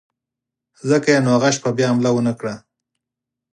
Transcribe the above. ځکه یې نو هغه شپه بیا حمله ونه کړه.